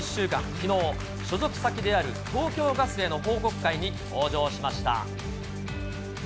きのう、所属先である東京ガスへの報告会に登場しました。